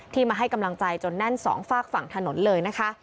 มาให้กำลังใจจนแน่นสองฝากฝั่งถนนเลยนะคะ